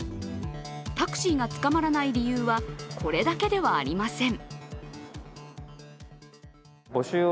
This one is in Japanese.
タクシーがつかまらない理由はこれだけではありません。